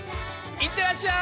いってらっしゃい！